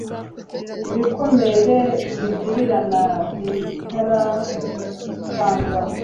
ibikomere bivirirana, bitarakandwa